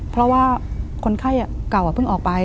เพราะว่าคนไข้เก่าเพิ่งออกไป